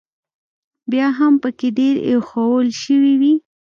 بیا هم پکې ډېرې ایښوول شوې وې.